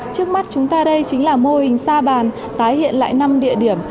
trước mắt chúng ta đây chính là mô hình sa bàn tái hiện lại năm địa điểm